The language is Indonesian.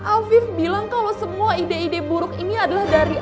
bahkan afif bilang kalau semua ide ide buruk ini adalah dari aku ma